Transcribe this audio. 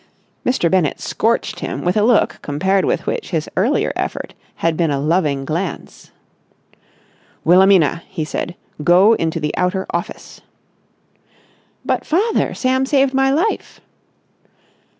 Mr. Bennett scorched him with a look compared with which his earlier effort had been a loving glance. "Wilhelmina," he said, "go into the outer office." "But, father, Sam saved my life!"